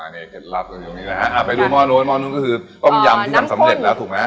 นี่เคล็ดลับกันอยู่ตรงนี้นะฮะอ่าไปดูหม้อนู้นหม้อนู้นก็คือต้มยำที่ทำสำเร็จแล้วถูกไหม